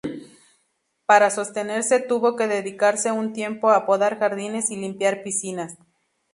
Para sostenerse tuvo que dedicarse un tiempo a podar jardines y limpiar piscinas.